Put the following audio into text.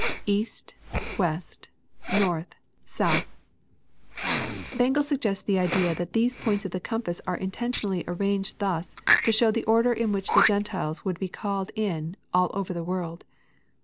[Ea8t..west...north..,80uth.'] Bengel suggests the idea that theso points of the compass are intentionally arranged thus, to show the order in which the Gentiles would be called in all over the world.